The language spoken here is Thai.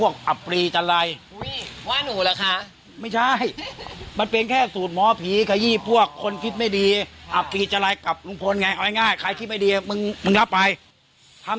เขาคงอาจจะเป็นคนทำข้าวที่ปากจาดที่สุดมากน่ะ